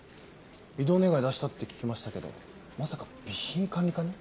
異動願出したって聞きましたけどまさか備品管理課に？